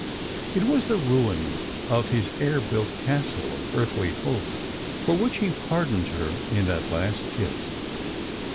It was the ruin of his air built castle of earthly hope for which he pardoned her in that last kiss.